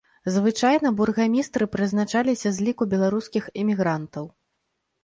Звычайна бургамістры прызначаліся з ліку беларускіх эмігрантаў.